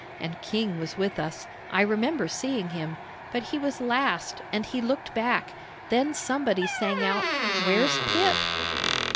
And King was with us; I remember seeing him. But he was last, and he looked back; then somebody sang out, 'Where's Pip?'"